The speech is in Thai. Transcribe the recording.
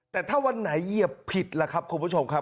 แต่ถ้าวันไหนเหยียบผิดล่ะครับคุณผู้ชมครับ